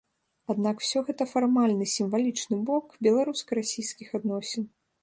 Аднак усё гэта фармальны, сімвалічны бок беларуска-расійскіх адносін.